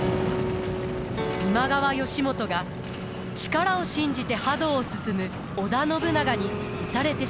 今川義元が力を信じて覇道を進む織田信長に討たれてしまいます。